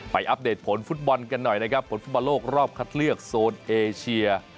อัปเดตผลฟุตบอลกันหน่อยนะครับผลฟุตบอลโลกรอบคัดเลือกโซนเอเชีย